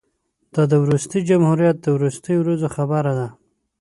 دا د وروستي جمهوریت د وروستیو ورځو خبره ده.